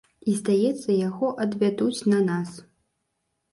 І здаецца, яго адвядуць на нас.